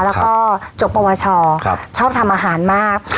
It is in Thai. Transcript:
แล้วก็จบประวัติศาสตร์ครับชอบทำอาหารมากครับ